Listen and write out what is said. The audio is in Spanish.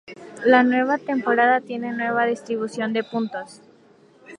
La nueva temporada tiene nueva distribución de puntos.